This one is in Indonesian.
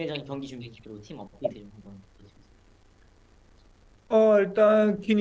apa yang kamu ingin katakan pada saat ini